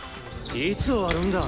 いつ終わるんだ？